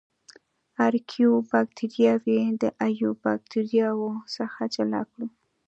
ارکیو باکتریاوې د ایو باکتریاوو څخه جلا کړو.